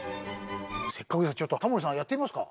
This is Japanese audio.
せっかくだからタモリさんやってみますか？